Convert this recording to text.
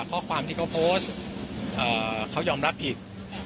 ข้อความที่เขาโพสต์เขายอมรับผิด